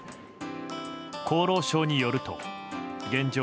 厚労省によると現状